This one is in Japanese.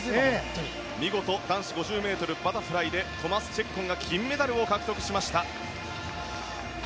見事男子５０ｍバタフライでトマス・チェッコンが金メダルを獲得しました。